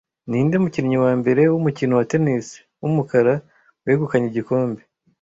Ninde mukinnyi wa mbere wumukino wa tennis wumukara wegukanye igikombe